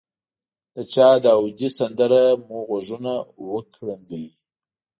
د چا داودي سندره مو غوږونه وکړنګوي.